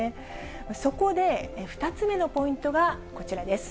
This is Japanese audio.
そこで２つ目のポイントがこちらです。